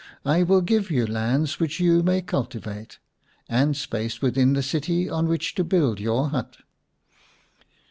" I will give you lands which you may cultivate, and space within the city on which to build your hut."